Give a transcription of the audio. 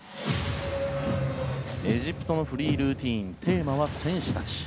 エジプトのフリールーティンテーマは戦士たち。